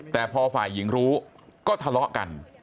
แต่พอฝ่ายหญิงรู้ก็ทะเลาะกัน